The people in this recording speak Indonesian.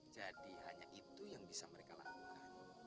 jadi hanya itu yang bisa mereka lakukan